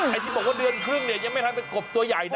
ไอ้ที่บอกว่าเดือนครึ่งเนี่ยยังไม่ทันเป็นกบตัวใหญ่นะ